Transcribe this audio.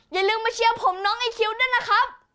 อย่าลืมมาเชียร์ผมน้องไอคิวด้วยนะครับ